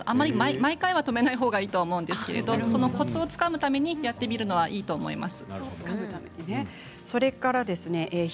毎回は止めないほうがいいと思うんですけれどコツをつかむためにやってみるのはいいと思います。